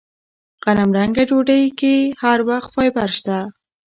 غنمرنګه ډوډۍ کې هر وخت فایبر شته.